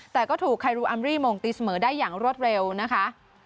แต่ก็ถูกไฮรูอัมรี่โมงตีเสมอได้อย่างรวดเร็วนะคะ